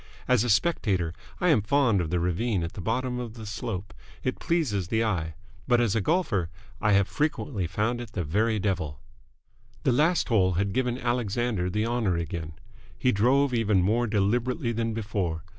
As a spectator, I am fond of the ravine at the bottom of the slope. It pleases the eye. But, as a golfer, I have frequently found it the very devil. The last hole had given Alexander the honour again. He drove even more deliberately than before.